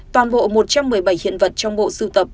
toàn bộ một trăm một mươi bảy hiện vật trong bộ sưu tập